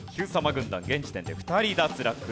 軍団現時点で２人脱落。